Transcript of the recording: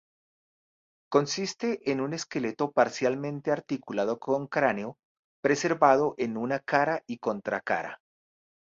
Consiste en un esqueleto parcialmente articulado con cráneo, preservado en una cara y contracara.